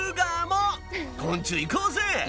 昆虫いこうぜ！